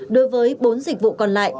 đối với bốn dịch vụ còn lại